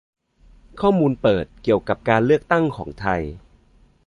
ข้อมูลเปิด เกี่ยวกับการเลือกตั้งของไทย